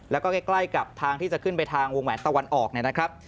แล้วก็ใกล้กับทางที่จะขึ้นไปทางวงแหวนตะวันออกเนี่ยนะครับ